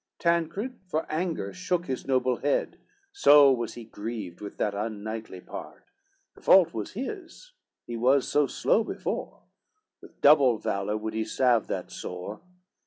Tancred for anger shook his noble head, So was he grieved with that unknightly part; The fault was his, he was so slow before, With double valor would he salve that sore.